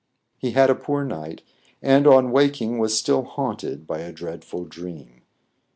He had a poor night, and, on waking, was still haunted by a dreadful dream.